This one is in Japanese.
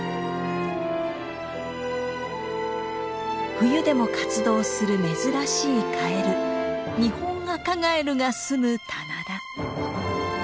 冬でも活動する珍しいカエルニホンアカガエルが住む棚田。